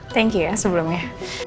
thank you ya sebelumnya